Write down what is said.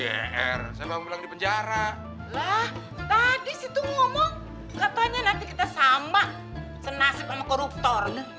iya iya saya mau bilang di penjara lah tadi sih tuh ngomong katanya nanti kita sama senasib sama koruptor